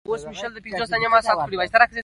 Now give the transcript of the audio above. په نولسمه پېړۍ کې استبدادي رژیمونو مخه ډپ کړه.